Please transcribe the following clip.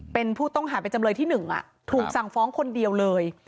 เป็นผู้ต้องหาเป็นจำเลยที่๑ถูกสั่งฟ้องคนเดียวเลย